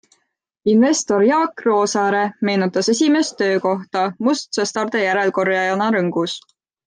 Investor Jaak Roosaare meenutas esimest töökohta mustsõstarde järelkorjajana Rõngus.